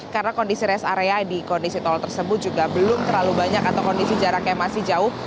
karena kondisi rest area di kondisi tol tersebut juga belum terlalu banyak atau kondisi jaraknya masih jauh